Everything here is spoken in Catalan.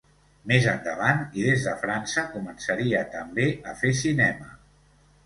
Més endavant i des de França, començaria també a fer cinema.